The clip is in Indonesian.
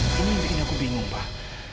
ini yang bikin aku bingung pak